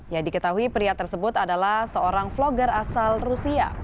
yang diketahui pria tersebut adalah seorang vlogger asal rusia